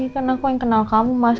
karena aku yang kenal kamu mas